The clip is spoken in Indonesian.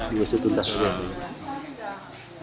di usut untas dia